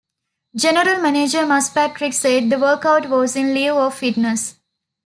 General manager Muzz Patrick said the workout was in lieu of fines.